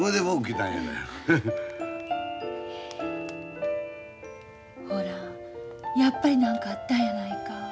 ほらやっぱり何かあったんやないか。